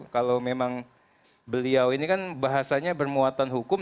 kalau memang beliau ini kan bahasanya bermuatan hukum